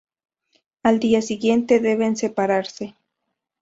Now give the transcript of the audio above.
Al día siguiente deben separarse.